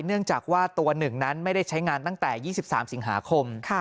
เนื่องจากว่าตัวหนึ่งนั้นไม่ได้ใช้งานตั้งแต่๒๓สิงหาคม